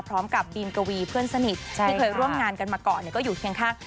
พร้อมกับบีมกวีเพื่อนสนิทที่เคยร่วมงานกันมาก่อนก็อยู่เคียงข้าง